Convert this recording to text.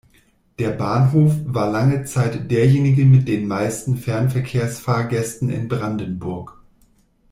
Der Bahnhof war lange Zeit derjenige mit den meisten Fernverkehrs-Fahrgästen in Brandenburg.